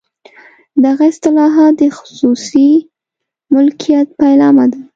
دغه اصلاحات د خصوصي مالکیت پیلامه ده.